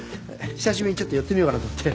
久しぶりにちょっと寄ってみようかなと思って。